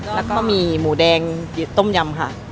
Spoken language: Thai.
แล้วก็มีหมูแดงต้มยำค่ะ